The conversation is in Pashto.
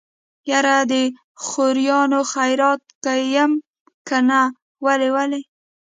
يره د خوريانو خيرات کې يم کنه ولې ولې.